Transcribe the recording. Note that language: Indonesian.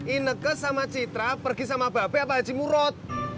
ineke sama citra pergi sama babeh apa haji murad